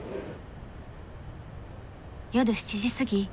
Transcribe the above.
夜７時過ぎ。